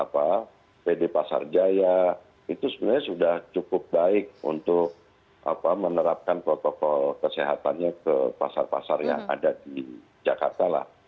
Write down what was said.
pd pasar jaya itu sebenarnya sudah cukup baik untuk menerapkan protokol kesehatannya ke pasar pasar yang ada di jakarta lah